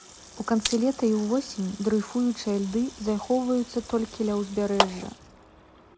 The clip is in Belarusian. У канцы лета і ўвосень дрэйфуючыя льды захоўваюцца толькі ля ўзбярэжжа.